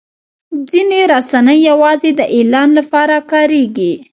ځینې رسنۍ یوازې د اعلان لپاره کارېږي.